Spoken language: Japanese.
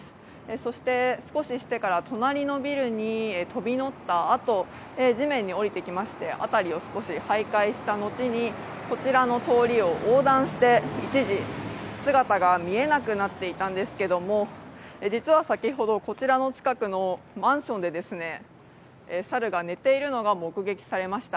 そして、少ししてから隣のビルに飛び乗ったあと地面に下りてきまして、辺りを少し徘徊したのちにこちらの通りを横断して、一時、姿が見えなくなっていたんですが実は先ほど、こちらの近くのマンションで猿が寝ているのが目撃されました。